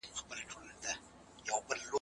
تاسو بايد د پوهي او شعور په رڼا کي ژوند وکړئ.